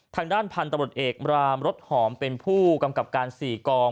ทางด้านพันธุ์ตำรวจเอกรามรถหอมเป็นผู้กำกับการ๔กอง